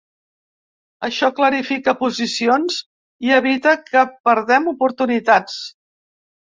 Això clarifica posicions i evita que perdem oportunitats.